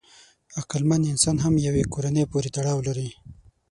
عقلمن انسان هم یوې کورنۍ پورې تړاو لري.